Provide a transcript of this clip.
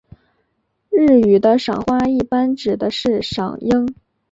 日语的赏花一般指的是赏樱。